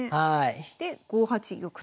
で５八玉と。